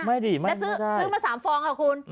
ไม่ดีไม่ได้แล้วซื้อมา๓ฟองค่ะคุณ